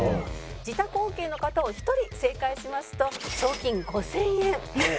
自宅ＯＫの方を１人正解しますと賞金５０００円。